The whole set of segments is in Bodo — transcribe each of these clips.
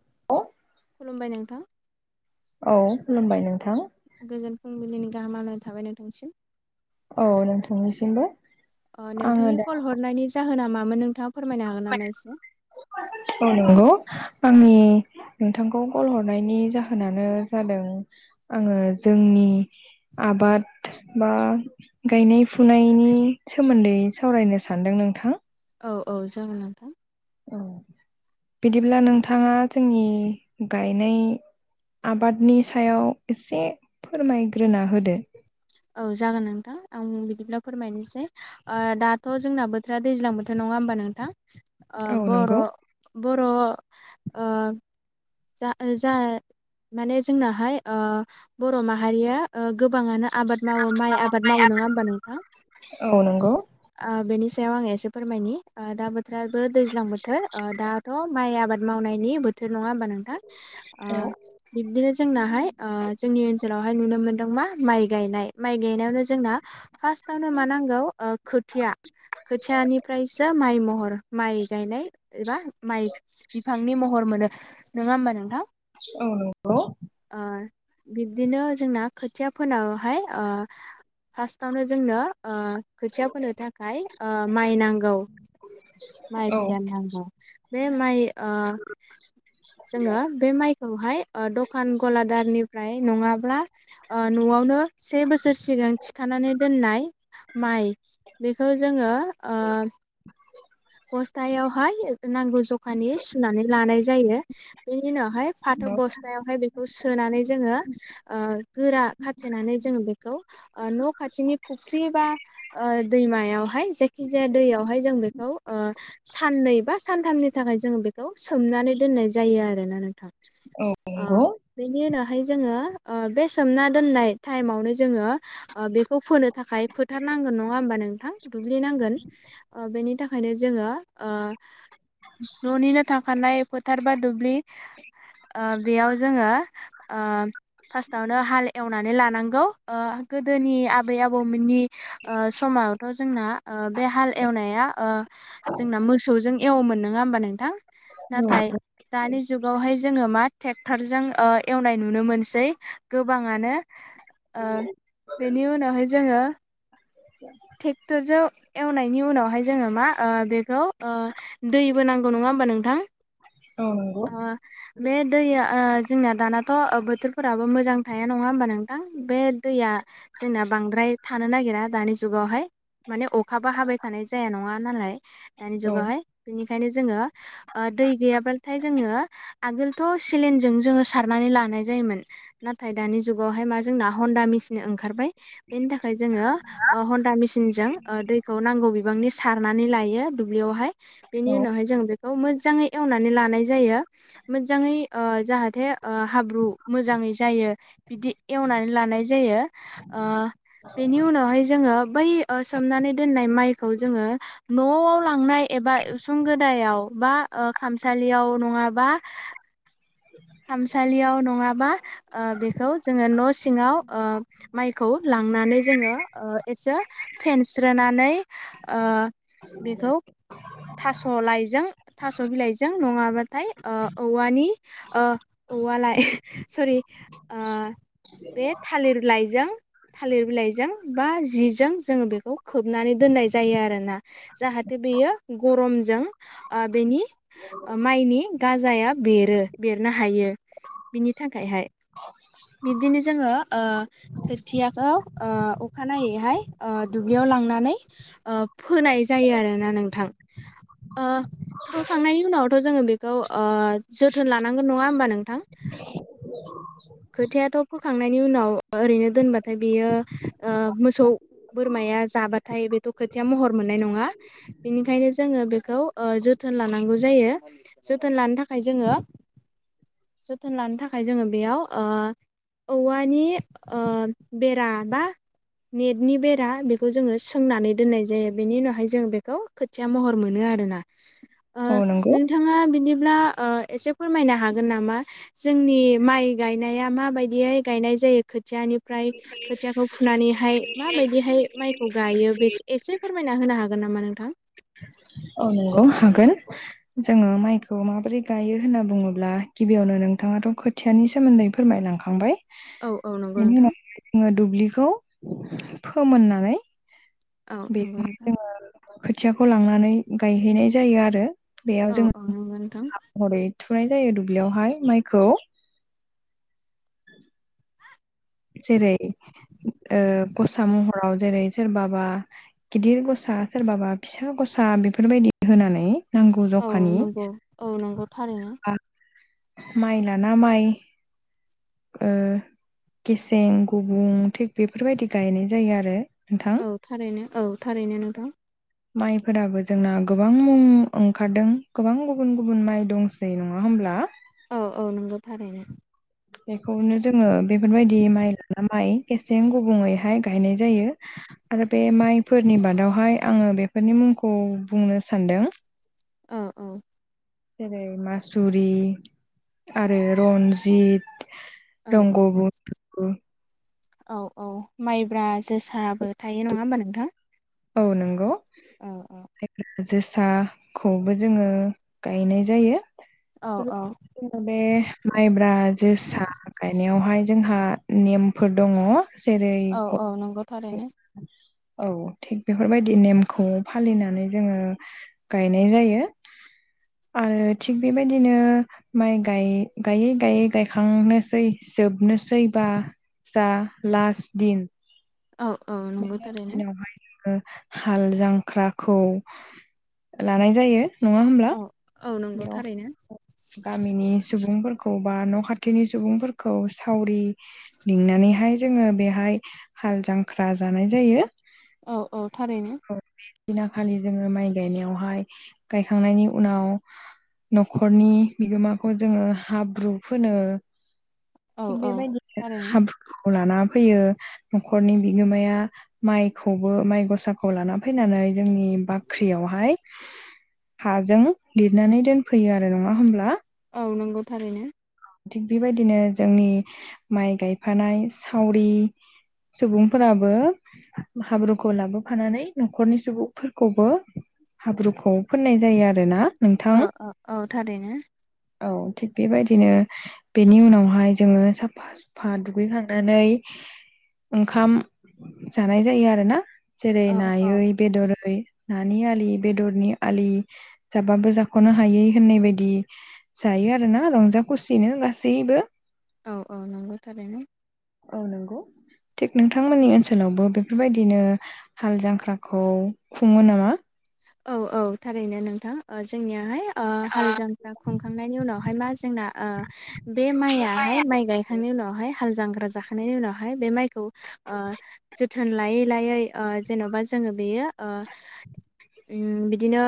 [unintelligible] खुलुमबाय नोंथां औ खुलुमबाय नोंथां गोजोन फुंबिलिनि गाहामालाय थाबाय नोंथांसिम औ नोंथांनिसिमबो अ आङो नोंथांनि दा कल हरनायनि जाहोना मामोन नोंथां औ नंगौ आंनि नोंथांखौ कल हरनायनि जाहोनानो जादों आङो जों नि आबाद बा गायनाय फुनायनि सोमोन्दै सावरायनो सानदों नोंथां औ औ जागोन नोंथां औ बिदिब्ला नोंथाङा जोंनि गायनाय आबादनि सायाव एसे फोरमायग्रोना होदो औ जागोन नोंथां आं बिदिब्ला फोरमायनोसै ओ दाथ' जोंना बोथोरा दैज्लां बोथोर नङा होमबा नोंथां ओ औ बर' नंगौ बर' ओ जा जा माने जोंनाहाय ओ बर' माहारिया ओ गोबाङानो आ मावो माइ आबाद मावो नङा होमबा नोंथां औ नंगौ ओ बेनि सायाव आं एसे फोरमायनि ओ दा बोथोराबो दैज्लां बोथोर ओ दाथ' माइ आबाद मावनायनि बोथोर नङा होमबा नोंथां आ औ बिबदिनो जोंनाहाय ओ जोंनि ओन सोलावहाय नुनो मोन्दों मा माइ गायनाय माइ गायनायावनो जोंना फार्स्टावनो मा नांगौ खोथिया खोथियानिफ्रायसो माइ म हर माइ गायनाय एबा माइ बिफांनि महर मोनो नङा होमबा नोंथां औ नंगौ ओ बिब्दिनो जोंना खोथियाफोनावहाय आ फार्स्टावनो जोंनो आ खोथिया फोनो थाखाय ओ माइ नांगौ। माइ औ बिदान नांगौ बे माइ आ जोङो बे माइ खौहाय दखान गलादारनिफ्राय नङाब्ला न'आवनो से बोसोर सिगां थिखानानै दोननाय माइ बेखौ जोङो आ बस्थायावहाय नांगौ जखानि सुनानै लानाय जायो बे उनावहाय फाथो बस्थायावहाय बेखौ सोनानै जोङो आ गोरा खाथेनानै जों बेखौ न' खाथिनि फुख्रि बा ओ दैमायावहाय जायखि जाया दैयावहाय जों बेखौ ओ साननै बा सानथामनि थाखाय जोङो बेखौ सोमनानै दोननाय जायो आरोना नोंथां। आ नंगौ बेनि उनाव हाय जोङो ओ बे सोमना दोननाय टाइमावनो जोङो ओ बेखौ फोनो थाखाय फोथार ना गोन नंङा होमबा नोंथां दुब्लि नांगोन बेनि थाखाय यनो जोंङो ओ न'निनो थाखानाय फोथार बा दुब्लि ओ बेयाव जोङो ओ फार्स्टावनो हाल एवनानै लानांगौ ओ गोदोनि आबै आबौमोननि ओ सम मायावथ जोंना ओ बे हाल एवनाया ओ जोंना मोसौजों एवोमोन नङा होमबा नोंथां औ नाथाय दानि जुगावहाय जोङो मा ट्रेक्टरजों ओ एवनाय नुनो मोनसै गोबाङानो ओ बेनि उनावहाय जोङो टेक्टरजो एवनायनि उनावहाय जोङो मा बेखौ ओ दैबो नांगौ नङा होमबा नोंथां। औ नंगौ आ बे दैआ ओ जोंना दानाथ' बोथोरफोराबो मोजां थाया नङा होमबा नोंथां बे दैया जोंना बांद्राय थानो नागिरा दानि जुगावहाय माने अखाबा हाबाय थानाय जाया नङा नालाय दानि औ जुगावहाय बेनिखायनो जोङो ओ दै गैयाब्लाथाय जोङो आगोलथ सिलिनजों जोङो सारनानै लानाय जायोमोन नाथाय दानि जुगावहाय मा जोंना हन्दा मेचनो ओंखारबाय बेनि थाखाय जोङो ओ हन्दा मेसिनजों ओ दैखौ नांगौ बिबांनि सारनानै लायो दुब्लियावहाय बेनि औ उनावहाय जों बेखौ मोजाङै एवनानै लानाय जायो मोजाङै ओ जाहाथे हाब्रु मोजाङै जायो बिदि एवनानै लानाय जायो ओ बेनि उनावहाय जोङो बै ओ सोमनानै दोनाय मायखौ जोङो न'आव लांनाय एबा उसुं गोदा याव बा ओ खामसालियाव नङाबा खामसालियाव नङाबा ओ बेखौ जोङो न' सिङाव ओ माइखौ लां नानै जोङो ओ एसे फेनस्रोनानै ओ बिखौ थास' लाइजों थास' बिलाइजों नङाबाथाय ओ औवानि ओ औवालाय सरि बे थालिर लाइजों थालिर बिलाइजों बा जिजों जोङो बेखौ खोबनानै दोननाय जायो आरोना जाहाथे बेयो गरमजों ओ बेनि ओ माइनि गाजाया बेरो। बेरनो हायो बिनि थाखायहाय बिब्दिनो जोङो ओ खोथियाखौ ओ अखानायैहाय ओ दुब्लियाव लांनानै फोनाय जायो आरोना नोंथां। ओ फोखांनायनि उनावथ' जोङो बेखौ ओ जो थोन लानांगोन नङा होमबा नोंथां [unintelligible] खोथियाथ' फोखांनायनि उनाव ओरैनो दोनबाथाय बियो ओ मोसौ बोरमाया जाबाथाय बेथ' खोथिया महर मोननाय नङा बेनिखायनो जोङो बेखौ जोथोन लानांगौ जायो। जोथोन लानो थाखाय जोङो [unintelligible] जोथोन लानो थाखाय जोङो बेयाव ओ औवानि ओ बेरा बा नेटनि बेरा बेखौ जोङो सोंनानै दोननाय जायो बेनि उनावहाय जों बेखौ खोथिया महर मोनो आ रोना ओ औ नंगौ नोंथाङा बिदिब्ला ओ एसे फोरमायनो हागोन नामा जोंनि माइ गायनाया माबायदिहाय गायनाय जायो खोथियानिफ्राय खोथियाखौ फुनानैहाय माबायदिहाय माइखौ गायो बेस एसे फोरमायना होनो हागोन नामा नोंथां? औ नोंगौ हागोन जोङो माइखौ माबोरै गायो होनना बुङोब्ला गिबियावनो नों थाङाथ' खोथियानि सोमोन्दै फोरमायलांखांबाय औ औ नंगौ बेनि नोंथां। उनाव जोङो दुब्लिखौ फोमोननानै औ नंगौ बेवहाय नोंथां। जोङो खोथियाखौ लांनानै गायहैनाय जायो आरो। बेयाव औ जों औ नोंगो नोंथां। महरै थुनाय जायो दुब्लियावहाय माइखौ जेरै ओ गसा मह हराव जेरै सोरबाबा गिदिर गसा सोरबाबा फिसा गसा बेफोरबायदि होनानै नांगौ औ जखानि नंगौ औ नंगौ थारैनो आ माइ लाना माइ ओ गेसें गुबुं थिग बेफोरबायदि गायनाय जायो आरो। नोंथां औ थारैनो औ थारैनो नोंथां। माइफोराबो जोंना गोबां मुं ओंखारदों गोबां गुबुन गुबुन माइ दंसै नङा होमब्ला। औ औ नोंगौ थारैनो। बेखौनो जोङो बेफोरबायदि माइ लाना माइ गेसें गुबुंङैहाय गायनाय जायो। आरो बे माइफोरनि बादावहाय आङो बेफोरनि मुंखौ बुंनो सानदों। औ औ। जेरै मासुरि आरो रन्जित औ रंग औ बन्दु औ औ माइब्रा जोसाबो थायो नङा होमबा नोंथां? औ नोंगौ। औ औ। जोसाखौबो जोङो गायनाय जायो। औ औ जों बे माइब्रा जोसा गायनायावहाय जोंहा नेमफोर दङ जेरै औ औ नोंगौ गसाइ थारैनो। औ थिग बेफोरबायदि नेमखौ फालिनानै जोङो गायनाय जायो। आरो थिग बेबायदिनो माइ गायै गायै गायै गायखांनोसै जोबनोसैबा जा लास्ट दिन औ औ नंगौ बे थारैनो दिनावहाय ओ हाल जांख्राखौ लानाय जायो नङा होमब्ला? औ औ नोंगौ बेयाव थारैनो गामिनि सुबुंफोरखौ बा न' खाथिनि सुबुंफोरखौ सावरि लिंना नैहाय जोङो बेहाय हाल जांख्रा जानाय जायो। औ औ थारैनो। दिना खालि जोङो माइ गायनायावहाय गायखांनायनि उनाव नख' खरनि बिगोमाखौ जोङो हाब्रु फोनो औ थिग औ बेबायदि थारैनो हाब्रु लाना फैयो न'खरनि बिगोमाया माइखौबो माइ गसाखौ लाना फैनानै जोंनि बाख्रियावहाय हाजों लिरनानै दोनफैयो आरो नङा होमब्ला? औ नंगौ थारैनो। थिग बेबायदिनो जोंनि माइ गायफानाय सावरि सुबुंफोराबो हाब्रुखौ लाबोफानानै न'खरनि सुबुंफोरखौबो हाब्रुखौ फोननाय जायो आरो ना औ औ औ थारैनो औ थिग बेबायदिनो बेनि उनावहाय जोङो साफा सुफा दुगैखांनानै ओंखाम जानाय जायो आरो ना जेरै औ औ नायै बेदरै नानि आलि बेदरनि आलि जाबाबो जाख'नो हायै होननाय बायदि जाय आरो ना रंजा खुसिनो गासैबो औ औ नंगौ थारैनो। औ नंगौ थिग नोंथांमोननि ओनसोलावबो बेफोरबायदिनो हाल जांख्राखौ खुङो नामा? औ औ थारैनो नोंथां जोंनियाहाय हाल जांफ्रा खुंखांनायनि उनावहाय मा जोंना बे माइआाहाय माइ गायखांनायनि उनाव हाल थांग्रा जाखांनायनि उनावहाय बे माइखौ ओ जोथोन लायै लायै ओ जेनेबा जोङो बेयो बिदिनो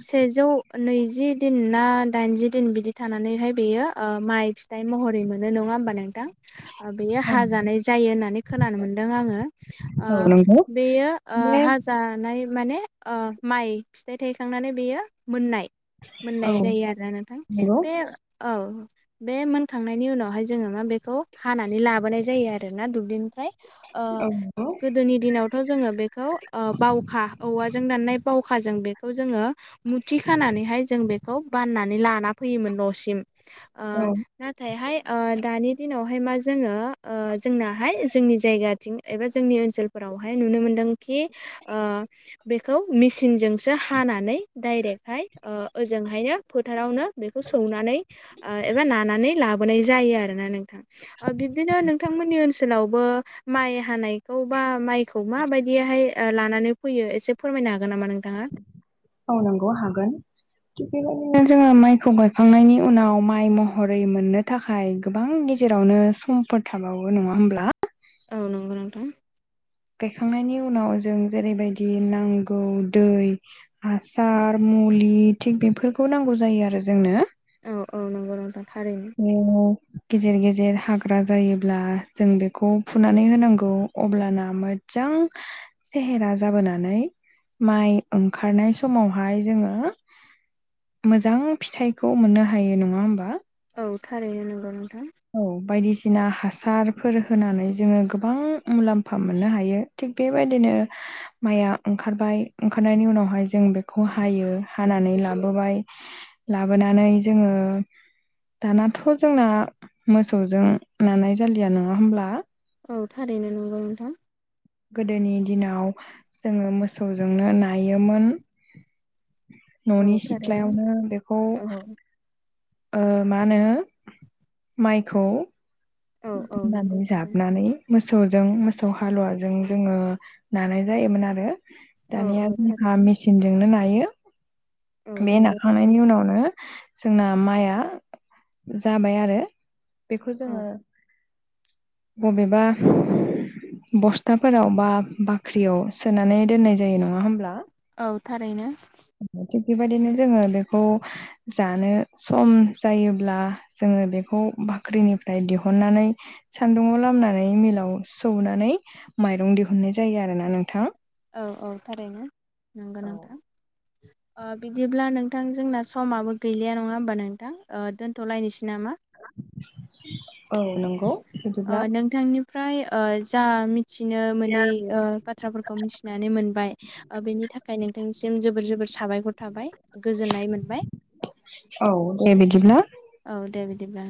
सेजौ नैजि दिन ना दाइनजि दिन बिदि थानानै ओमफ्राय बेयो माइ फिथाइ महरै मोनो नङा होमबा नोंथां बेयो औ हाजानाय जायो होननानै खोनानो मोनदों आङो नंगौ बेयो बे हाजानाय माने माइ फिथाइ थायखांनानै बेयो मोननाय औ मोननाय जायो आरोना नोंथां नंगौ बे औ बे मोनखांनायनि उनावहाय जोङो मा बेखौ हानानै लाबोनाय जायो आरोना दुब्लिनिफ्राय औ नंगौ गोदोनि दिनावथ' जोङो बेखौ बावखा औवा जों दाननाय बावखा जों बेखौ जोङो मुथि खानानैहाय जों बेखौ बाननानै लाना फैयोमोन। न'सिम औ नाथायहाय दानि दिनावहाय मा जोङो जोंनाहाय जोंनि जायगाथिं एबा जोंनि ओनसोलफोरावहाय नुनो मोन दोंखि बेखौ मिसिनजोंसो हानानै डाइरेक्टहाय ओजोंहायनो फोथारावनो बेखौ सौनानै एबा नानानै लाबोनाय जायो आरोना नोंथां। बिब्दिनो नोंथांमोननि ओनसो लावबो माइ हानायखौ बा माइखौ माबायदिहाय लानानै फैयो एसे फोरमायनो हागोन नामा नोंथाङा? औ नंगौ हागोन थिग बेबायदिनो जोङो माइखौ गायखांनायनि उनाव माइ महरै मोननो थाखाय गोबां गेजेरावनो समफोर थाबावो नङा होमब्ला औ नंगौ नोंथां। गायखांनायनि उनाव जों जेरैबायदि नांगौ दै हासार मुलि थिग बेफोरखौ नांगौ जायो आरो जोंनो। औ औ नंगौ नोंथां। थारैनो। ए गेजेर गेजेर जे हाग्रा जायोब्ला जों बेखौ फुनानै होनांगौ अब्लाना मोजां सेहेरा जाबोनानै माइ ओंखारनाय समावहाय जोङो मोजां फिथाइखौ मोननो हायो नङा होमबा औ थारैनो नोंगौ नोंथां। औ बायदिसिना हासारफोर होनानै जोङो गोबां मुलाम्फा मोननो हायो। थिग बेबायदिनो माइया ओंखारबाय ओंखारनायनि उनावहाय जों बेखौ हायो हानानै लाबाय लाबोनानै जोङो दानाथ' जोंना मोसौजों नानाय जालिया नङा होमब्ला। औ थारैनो नंगौ नोंथां। गोदोनि दिनाव जोङो मोसौजोंनो नायोमोन। न'नि औ थारैनो। सिथ्लायावनो बेखौ औ मा होनो माइखौ औ औ नंगौ [inaudible] थारैनो। जाबनानै मोसौजों मोसौ हालुवाजों जोङो नानाय जायोमोन आरो। औ दानिया औ जोंहा थारैनो। मेचिनजोंनो नायो। औ बे नंगौ थारैनो नाखांनायनि उनावनो जोंना माइआ जाबाय आरो बेखौ जोङो औ। मबेबा बस्थाफोराव बा बाख्रियाव सोनानै दोननाय जायो नङा होमब्ला औ थारैनो। बेबायदिनो जोङो बेखौ जानो सम जायोब्ला जोङो बेखौ बाख्रिनिफ्राय दिहु ननानै सान्दुङाव लामनानै मिलाव सौनानै माइरं दिहुननाय जायो आरोना नोंथां। औ औ थारैनो नोंगो औ नोंथां। [inaudible] बिदिब्ला नोंथां जोंना समाबो गैलिया नङा होमबा नोंथां दोन्थ'लायनोसै नामा? औ नंगौ बिदिब्ला नोंथांनिफ्राय आ जा मिथिनो मोनै बाथ्राफोरखौ मिथिनानै मोनबाय बेनि थाखाय नोंथांनिसिम जोबोर जोबोर साबायखर थाबाय गोजोननाय मोनबाय। औ दे बिदिब्ला औ दे बिदिब्ला